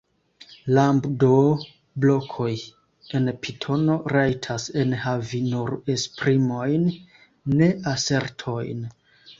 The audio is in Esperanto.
Lambdo-blokoj en Pitono rajtas enhavi nur esprimojn, ne asertojn.